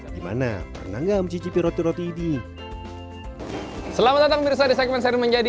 dimana pernah nggak mencicipi roti roti di selamat datang mirza di segmen seri menjadi